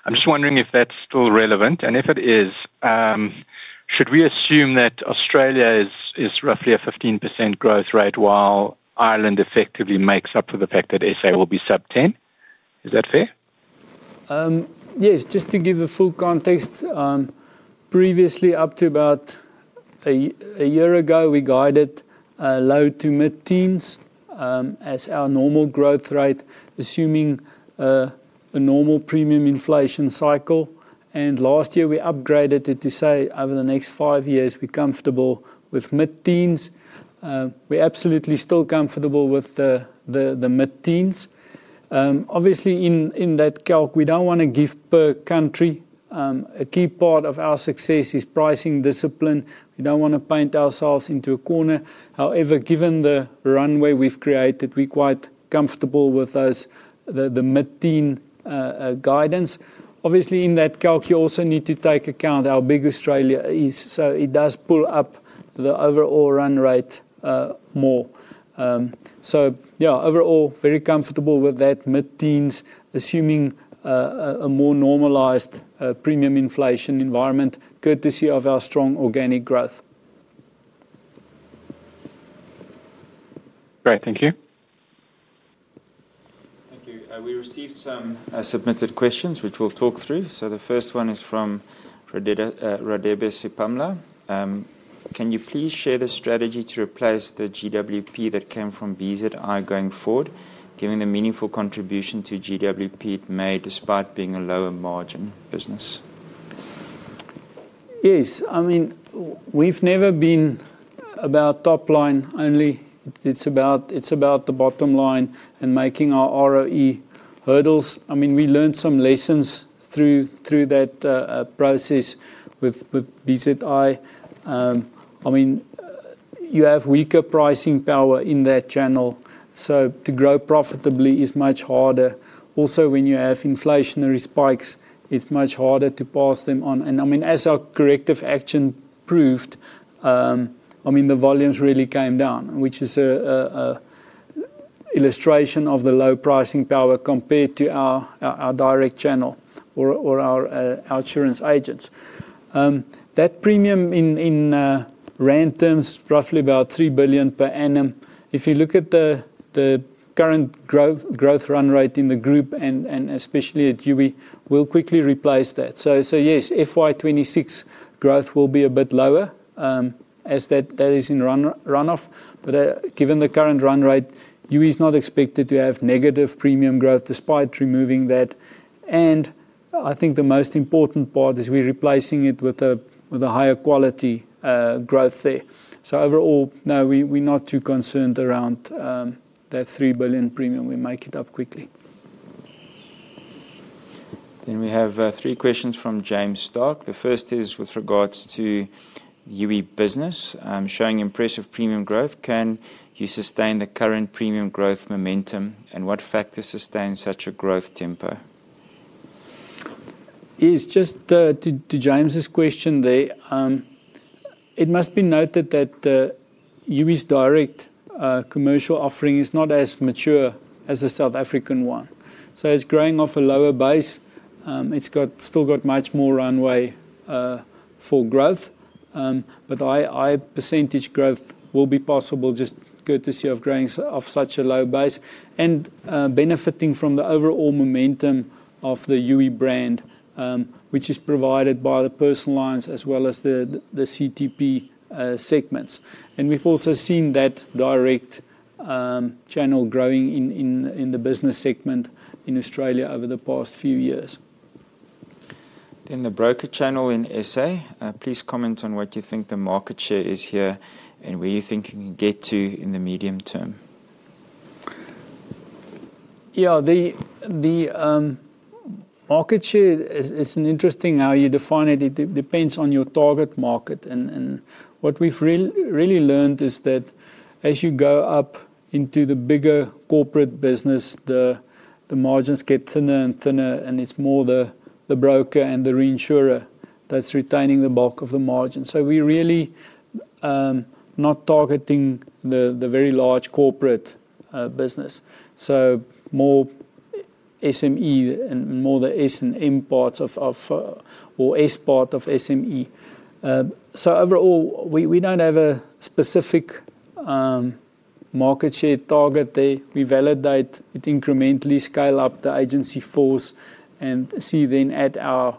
I'm just wondering if that's still relevant, and if it is, should we assume that Australia is roughly a 15% growth rate while Ireland effectively makes up for the fact that South Africa will be sub-10%? Is that fair? Yes, just to give a full context, previously up to about a year ago, we guided low to mid-teens as our normal growth rate, assuming a normal premium inflation cycle. Last year, we upgraded it to say over the next five years, we're comfortable with mid-teens. We're absolutely still comfortable with the mid-teens. Obviously, in that calculation, we don't want to give per country. A key part of our success is pricing discipline. We don't want to paint ourselves into a corner. However, given the runway we've created, we're quite comfortable with the mid-teen guidance. Obviously, in that calculation, you also need to take account how big Australia is, so it does pull up the overall run rate more. Overall, very comfortable with that mid-teens, assuming a more normalised premium inflation environment, courtesy of our strong organic growth. Great, thank you. Thank you. We received some submitted questions, which we'll talk through. The first one is from Radebe Sipamla. Can you please share the strategy to replace the GWP that came from the BZI broker channel going forward, given the meaningful contribution to GWP it made, despite being a lower margin business? Yes, I mean, we've never been about top line only. It's about the bottom line and making our ROE hurdles. I mean, we learned some lessons through that process with the BZI broker channel. You have weaker pricing power in that channel, so to grow profitably is much harder. Also, when you have inflationary spikes, it's much harder to pass them on. As our corrective action proved, the volumes really came down, which is an illustration of the low pricing power compared to our direct channel or our OUTsurance agents. That premium in rand terms, roughly about R3 billion per annum. If you look at the current growth run rate in the group, and especially at Youi, we'll quickly replace that. Yes, FY2026 growth will be a bit lower as that is in run-off, but given the current run rate, Youi is not expected to have negative premium growth despite removing that. I think the most important part is we're replacing it with a higher quality growth there. Overall, no, we're not too concerned around that R3 billion premium. We'll make it up quickly. We have three questions from James Stark. The first is with regards to the Youi business. Showing impressive premium growth, can you sustain the current premium growth momentum, and what factors sustain such a growth tempo? Yes, just to James's question there, it must be noted that Youi's direct commercial offering is not as mature as the South African one. It's growing off a lower base. It's still got much more runway for growth, but high % growth will be possible, just courtesy of growing off such a low base and benefiting from the overall momentum of the Youi brand, which is provided by the Personal Lines, as well as the CTP segments. We've also seen that direct channel growing in the business segment in Australia over the past few years. The broker channel in South Africa, please comment on what you think the market share is here and where you think it can get to in the medium term. Yeah, the market share is interesting how you define it. It depends on your target market. What we've really learned is that as you go up into the bigger corporate business, the margins get thinner and thinner, and it's more the broker and the reinsurer that's retaining the bulk of the margin. We're really not targeting the very large corporate business, more SME and more the S and M parts of or S part of SME. Overall, we don't have a specific market share target there. We validate it incrementally, scale up the agency force, and see then at our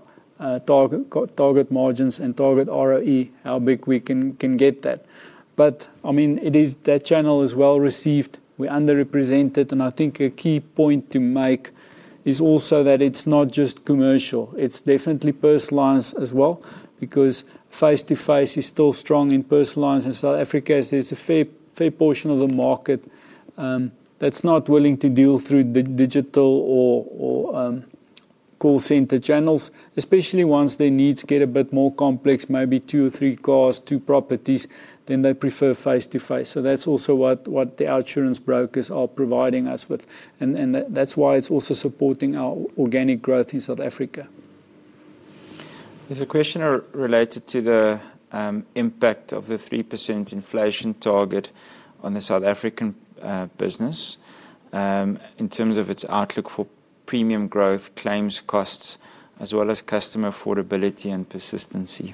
target margins and target ROE, how big we can get that. That channel is well received. We're underrepresented, and I think a key point to make is also that it's not just commercial. It's definitely personalized as well because face-to-face is still strong in personalized in South Africa. There's a fair portion of the market that's not willing to deal through the digital or call center channels, especially once their needs get a bit more complex, maybe two or three cars, two properties, then they prefer face-to-face. That's also what the OUTsurance brokers are providing us with, and that's why it's also supporting our organic growth in South Africa. There's a question related to the impact of the 3% inflation target on the South African business in terms of its outlook for premium growth, claims costs, as well as customer affordability and persistency.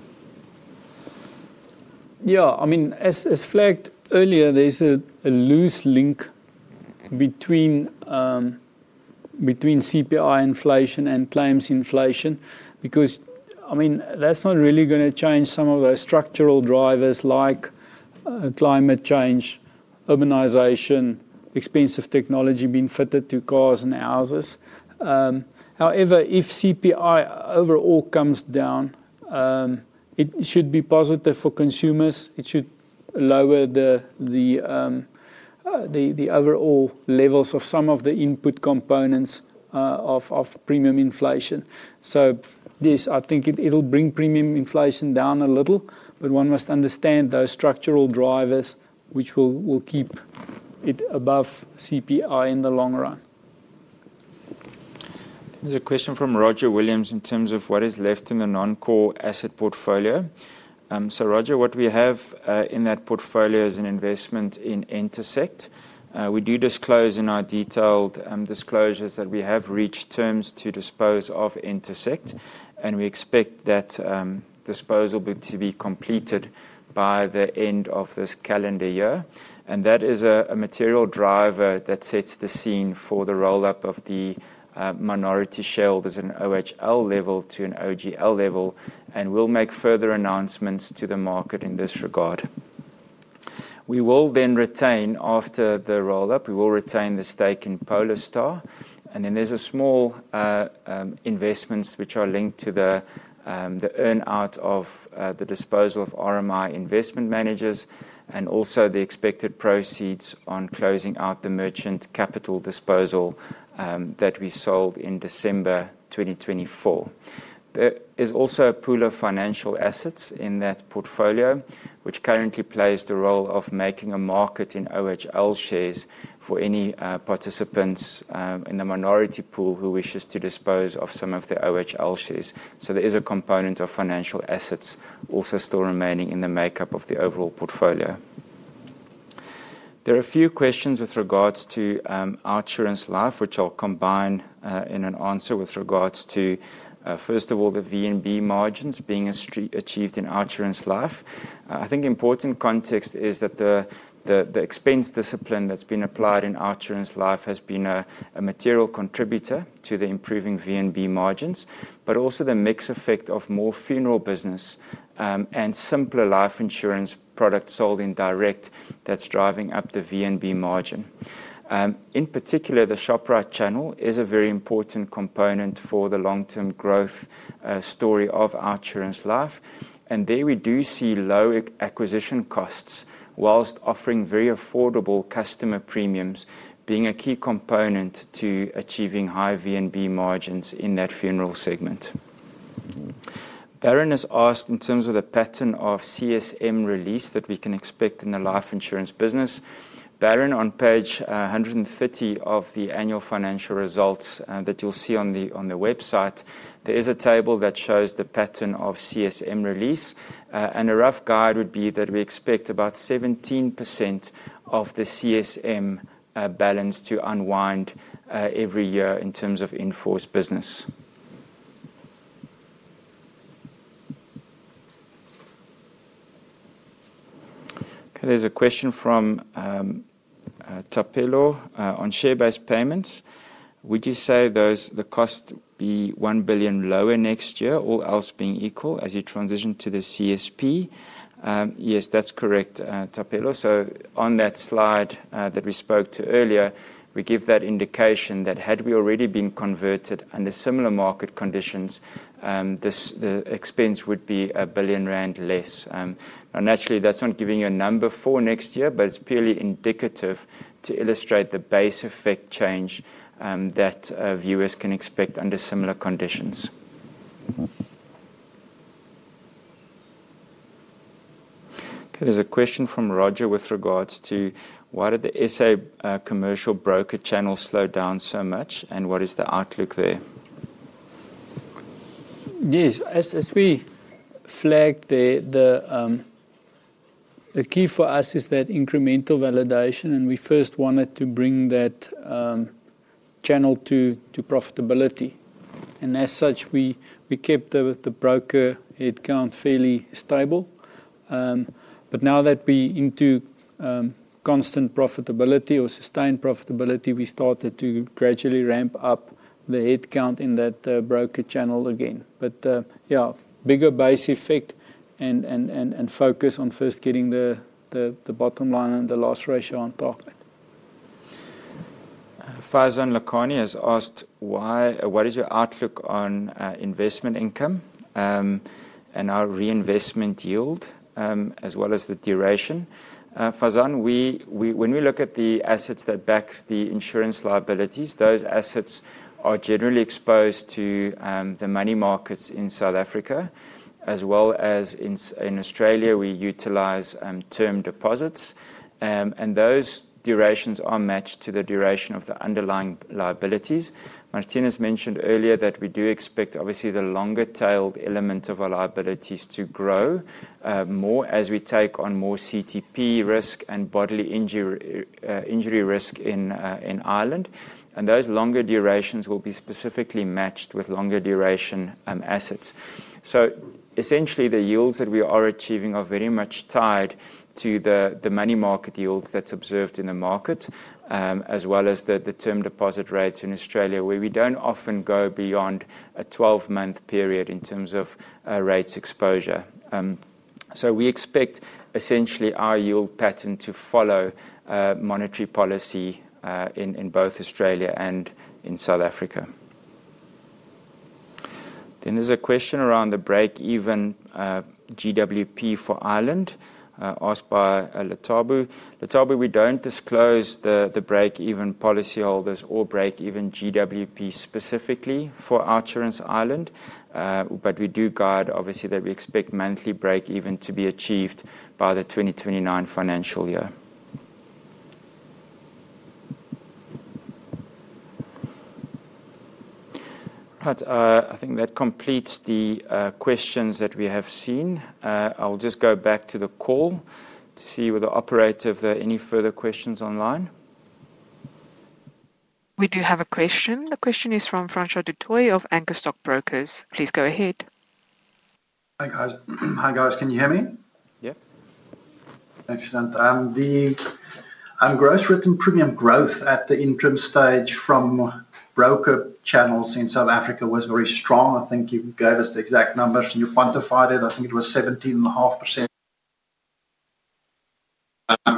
Yeah, I mean, as flagged earlier, there's a loose link between CPI inflation and claims inflation because that's not really going to change some of the structural drivers like climate change, urbanization, expensive technology being fitted to cars and houses. However, if CPI overall comes down, it should be positive for consumers. It should lower the overall levels of some of the input components of premium inflation. Yes, I think it'll bring premium inflation down a little, but one must understand those structural drivers which will keep it above CPI in the long run. There's a question from Roger Williams in terms of what is left in the non-core asset portfolio. Roger, what we have in that portfolio is an investment in Intersect. We do disclose in our detailed disclosures that we have reached terms to dispose of Intersect, and we expect that disposal to be completed by the end of this calendar year. That is a material driver that sets the scene for the roll-up of the minority shareholders in OUTsurance Holdings level to an OUTsurance Group Limited level, and we'll make further announcements to the market in this regard. We will then retain after the roll-up, we will retain the stake in Polar Star, and then there's small investments which are linked to the earnout of the disposal of RMI Investment Managers and also the expected proceeds on closing out the Merchant Capital disposal that we sold in December 2024. There is also a pool of financial assets in that portfolio, which currently plays the role of making a market in OUTsurance Holdings shares for any participants in the minority pool who wishes to dispose of some of the OUTsurance Holdings shares. There is a component of financial assets also still remaining in the makeup of the overall portfolio. There are a few questions with regards to OUTsurance Life, which I'll combine in an answer with regards to, first of all, the VNB margins being achieved in OUTsurance Life. I think important context is that the expense discipline that's been applied in OUTsurance Life has been a material contributor to the improving VNB margins, but also the mix effect of more funeral business and simpler life insurance products sold indirect that's driving up the VNB margin. In particular, the ShopRite channel is a very important component for the long-term growth story of OUTsurance Life, and there we do see low acquisition costs whilst offering very affordable customer premiums being a key component to achieving high VNB margins in that funeral segment. Baron has asked in terms of the pattern of CSM release that we can expect in the life insurance business. Baron, on page 130 of the annual financial results that you'll see on the website, there is a table that shows the pattern of CSM release, and a rough guide would be that we expect about 17% of the CSM balance to unwind every year in terms of in-force business. There's a question from Tapelo on share-based payments. Would you say the cost would be $1 billion lower next year, all else being equal as you transition to the CSP? Yes, that's correct, Tapelo. On that slide that we spoke to earlier, we give that indication that had we already been converted under similar market conditions, the expense would be R1 billion less. Naturally, that's not giving you a number for next year, but it's purely indicative to illustrate the base effect change that viewers can expect under similar conditions. There's a question from Roger with regards to why did the SA commercial broker channel slow down so much, and what is the outlook there? Yes, as we flagged there, the key for us is that incremental validation, and we first wanted to bring that channel to profitability. As such, we kept the broker headcount fairly stable. Now that we're into constant profitability or sustained profitability, we started to gradually ramp up the headcount in that broker channel again. A bigger base effect and focus on first getting the bottom line and the loss ratio on target. Fazan Lakhani has asked what is your outlook on investment income and our reinvestment yield, as well as the duration? Fazan, when we look at the assets that back the insurance liabilities, those assets are generally exposed to the money markets in South Africa. As well as in Australia, we utilize term deposits, and those durations are matched to the duration of the underlying liabilities. Marthinus mentioned earlier that we do expect obviously the longer-tailed element of our liabilities to grow more as we take on more CTP risk and bodily injury risk in Ireland. Those longer durations will be specifically matched with longer duration assets. Essentially, the yields that we are achieving are very much tied to the money market yields that's observed in the market, as well as the term deposit rates in Australia, where we don't often go beyond a 12-month period in terms of rates exposure. We expect essentially our yield pattern to follow monetary policy in both Australia and in South Africa. There's a question around the break-even GWP for Ireland asked by Latabu. Latabu, we don't disclose the break-even policyholders or break-even GWP specifically for OUTsurance Ireland, but we do guide obviously that we expect monthly break-even to be achieved by the 2029 financial year. I think that completes the questions that we have seen. I'll just go back to the call to see whether operative, there are any further questions online. We do have a question. The question is from Francois Dutoy of Anchor Stock Brokers. Please go ahead. Hi guys, can you hear me? Yep. Thanks, Jan. The gross written premium growth at the interim stage from broker channels in South Africa was very strong. I think you gave us the exact numbers and you quantified it. I think it was 17.5%.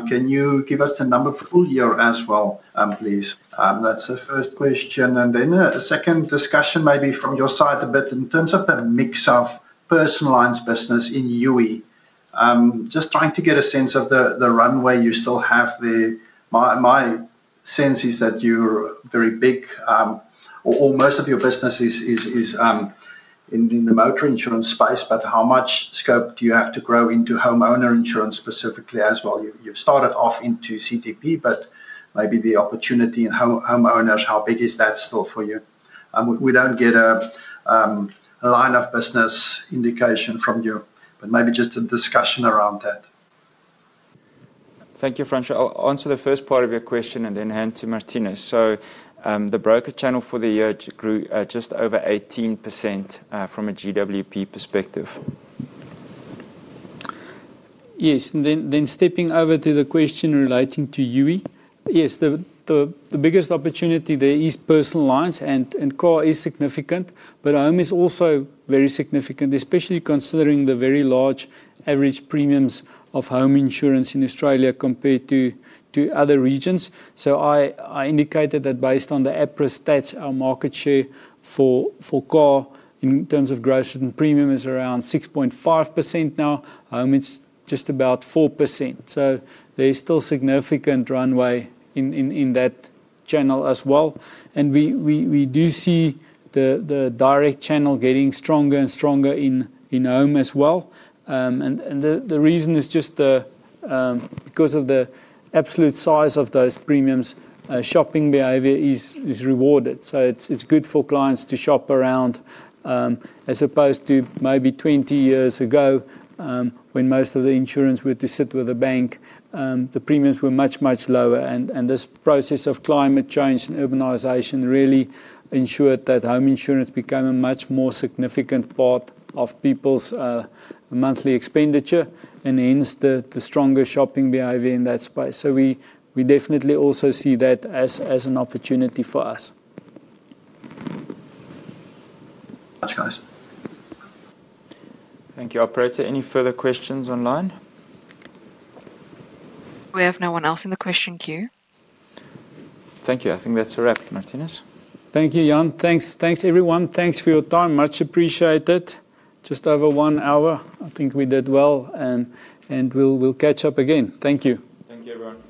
Can you give us the number for the full year as well, please? That's the first question. A second discussion maybe from your side a bit in terms of that mix of personalized business in Youi. Just trying to get a sense of the runway you still have. My sense is that you're very big, or most of your business is in the motor insurance space, but how much scope do you have to grow into homeowner insurance specifically as well? You've started off into CTP, but maybe the opportunity in homeowners, how big is that still for you? We don't get a line of business indication from you, but maybe just a discussion around that. Thank you, Francois. I'll answer the first part of your question and then hand to Marthinus. The broker channel for the year grew just over 18% from a GWP perspective. Yes, stepping over to the question relating to Youi, the biggest opportunity there is Personal Lines, and car is significant, but home is also very significant, especially considering the very large average premiums of home insurance in Australia compared to other regions. I indicated that based on the APRA stats, our market share for car in terms of gross written premium is around 6.5% now. Home is just about 4%. There's still significant runway in that channel as well. We do see the direct channel getting stronger and stronger in home as well. The reason is just because of the absolute size of those premiums, shopping behavior is rewarded. It's good for clients to shop around, as opposed to maybe 20 years ago, when most of the insurance would sit with a bank, the premiums were much, much lower. This process of climate change and urbanization really ensured that home insurance became a much more significant part of people's monthly expenditure, and hence the stronger shopping behavior in that space. We definitely also see that as an opportunity for us. Thank you, operator. Any further questions online? We have no one else in the question queue. Thank you. I think that's a wrap, Marthinus. Thank you, Jan. Thanks, everyone. Thanks for your time. Much appreciated. Just over one hour. I think we did well, and we'll catch up again. Thank you. Thank you, everyone.